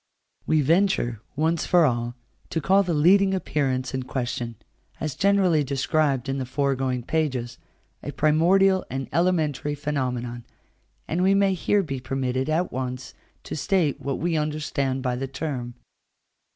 We venture, once for all, to call the leading appearance in question, as generally described in the foregoing pages, a primordial and elementary phenomenon; and we may here be permitted at once to state what we understand by the term.